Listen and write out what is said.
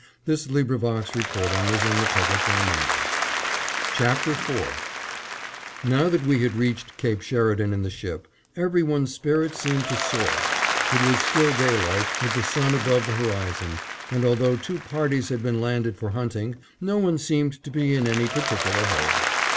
CHAPTER IV PREPARING FOR WINTER AT CAPE SHERIDAN THE ARCTIC LIBRARY Now that we had reached Cape Sheridan in the ship, every one's spirits seemed to soar. It was still daylight, with the sun above the horizon, and although two parties had been landed for hunting, no one seemed to be in any particular hurry.